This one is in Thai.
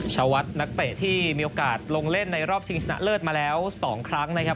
ชาวัดนักเตะที่มีโอกาสลงเล่นในรอบชิงชนะเลิศมาแล้ว๒ครั้งนะครับ